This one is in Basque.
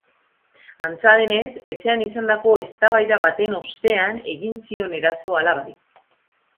Antza denez, etxean izandako eztabaida baten ostean egin zion eraso alabari.